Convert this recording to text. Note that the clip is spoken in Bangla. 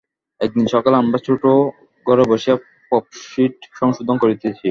একদিন সকালে আমার ছোটো ঘরে বসিয়া প্রুফশীট সংশোধন করিতেছি।